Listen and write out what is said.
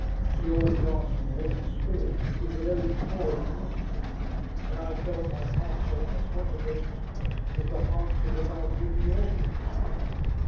This old, ghastly woman spirit is the very core of mischief. And I felt my heart getting as hot against her as the hearts of the lads in the audience were.